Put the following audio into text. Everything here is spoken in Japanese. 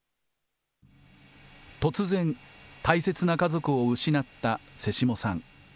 突然、大切な家族を失った瀬下さん。